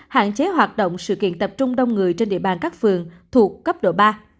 hạn chế hoạt động sự kiện tập trung đông người trên địa bàn các phường thuộc cấp độ ba